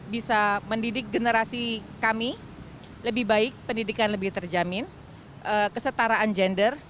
bisa mendidik generasi kami lebih baik pendidikan lebih terjamin kesetaraan gender